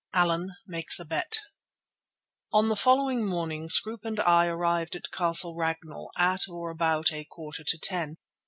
ALLAN MAKES A BET On the following morning Scroope and I arrived at Castle Ragnall at or about a quarter to ten.